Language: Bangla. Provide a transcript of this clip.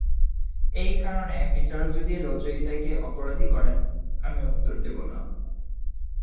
এই কারণে বিচারক যদি রচয়িতাকে অপরাধী করেন আমি উত্তর দেব না।